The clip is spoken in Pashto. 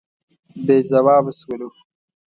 بې ځوابه شولو.